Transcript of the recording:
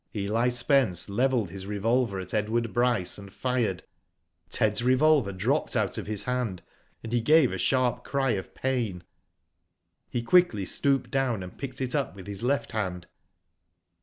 Eli Spence levelled his revolver at Edward Bryce and fired. Ted's revolver dropped out of his hand, and he gave a sharp cry of pain. He quickly stooped down, and picked it up with his left, hand.